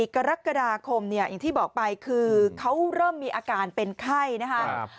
กรกฎาคมเนี่ยอย่างที่บอกไปคือเขาเริ่มมีอาการเป็นไข้นะครับ